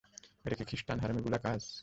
এটা কি খ্রিষ্টান হারামিগুলোর কাজ?